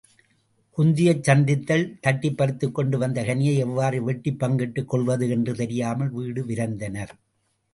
குந்தியைச் சந்தித்தல் தட்டிப்பறித்துக் கொண்டு வந்த கனியை எவ்வாறு வெட்டிப் பங்கிட்டுக் கொள்வது என்று தெரியாமல் வீடு விரைந்தனர்.